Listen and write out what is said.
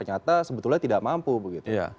atau sebetulnya tidak mampu begitu